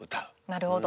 なるほど。